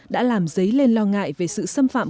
đã làm dấy lên lo ngại về sự xâm phạm